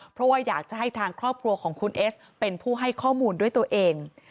เพราะว่าอยากจะให้ทางครอบครัวของคุณเอสเป็นผู้ให้ข้อมูลด้วยตัวเอง